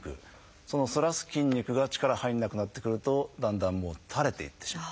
その反らす筋肉が力入らなくなってくるとだんだん垂れていってしまう。